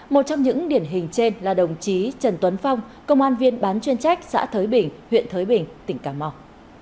một trong những điển hình trên là đồng chí trần tuấn phong công an viên bán chuyên trách xã thới bình huyện thới bình tỉnh cà mau